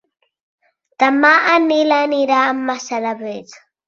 Demà en Nil anirà a Massalavés.